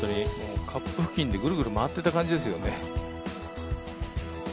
カップ付近でグルグル回ってた感じですよね。